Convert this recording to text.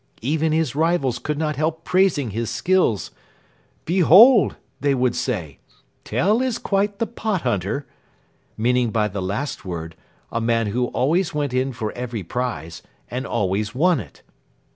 Even his rivals could not help praising his skill. "Behold!" they would say, "Tell is quite the pot hunter," meaning by the last word a man who always went in for every prize, and always won it.